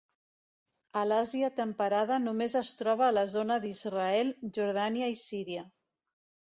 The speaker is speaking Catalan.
A l'Àsia temperada només es troba a la zona d'Israel, Jordània i Síria.